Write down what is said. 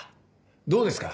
どうですか？